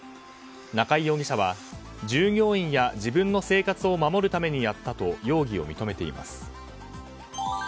中井容疑者は、従業員や自分の生活を守るためにやったと容疑を認めています。